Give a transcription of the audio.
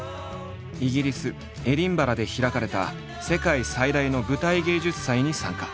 イギリスエディンバラで開かれた世界最大の舞台芸術祭に参加。